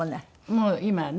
もう今はね。